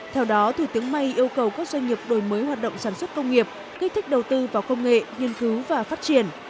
theo đó thủ tướng may yêu cầu các doanh nghiệp đổi mới hoạt động sản xuất công nghiệp kích thích đầu tư vào công nghệ nghiên cứu và phát triển